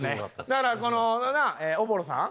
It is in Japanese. だからこのおぼろさん？